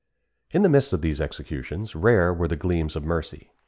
In the midst of these executions, rare were the gleams of mercy.